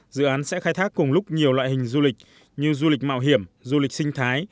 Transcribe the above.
dự án sẽ khai thác cùng lúc nhiều loại hình du lịch như du lịch mạo hiểm du lịch sinh thái